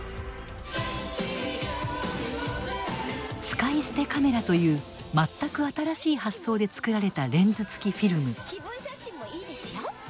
使い捨てカメラという全く新しい発想で作られたレンズ付きフィルム。